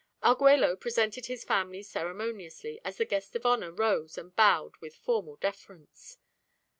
Arguello presented his family ceremoniously as the guest of honor rose and bowed with formal deference.